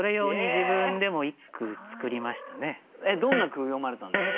どんな句詠まれたんですか？